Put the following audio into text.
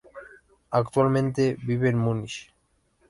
Actualmente vive en Múnich.